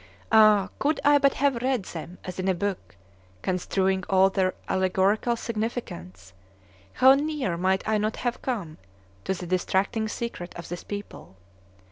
Ah! could I but have read them as in a book, construing all their allegorical significance, how near might I not have come to the distracting secret of this people!